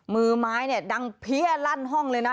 มือไม้เนี่ยดังเพี้ยลั่นห้องเลยนะ